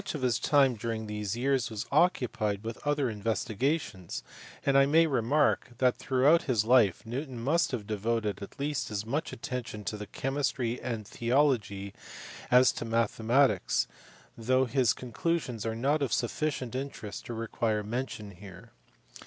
of his time during these years was occupied with other investi gations, and I may remark that throughout his life Newton must have devoted at least as much attention to chemistry and theology as to mathematics, though his conclusions are not of sufficient interest to require mention here.